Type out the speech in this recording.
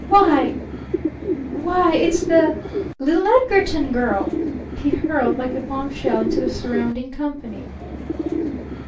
"Why why, it's the little Edgarton girl!" he hurled like a bombshell into the surrounding company.